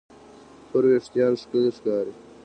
تور وېښتيان ښکلي ښکاري.